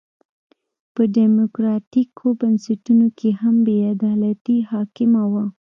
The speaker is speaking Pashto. په ډیموکراټیکو بنسټونو کې هم بې عدالتي حاکمه وه.